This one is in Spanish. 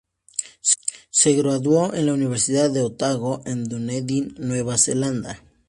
Se graduó en la Universidad de Otago en Dunedin, Nueva Zelanda.